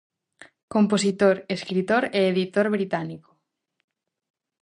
Compositor, escritor e editor británico.